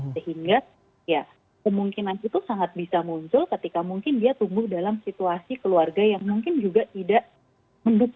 sehingga ya kemungkinan itu sangat bisa muncul ketika mungkin dia tumbuh dalam situasi keluarga yang mungkin juga tidak mendukung